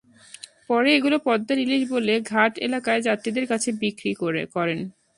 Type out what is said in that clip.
পরে এগুলো পদ্মার ইলিশ বলে ঘাট এলাকায় যাত্রীদের কাছে বিক্রি করেন।